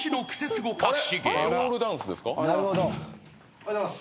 おはようございます。